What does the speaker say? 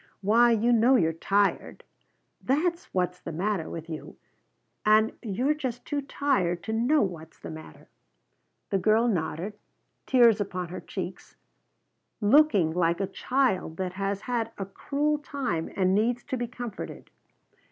Why you know you're tired! That's what's the matter with you, and you're just too tired to know what's the matter." The girl nodded, tears upon her cheeks, looking like a child that has had a cruel time and needs to be comforted.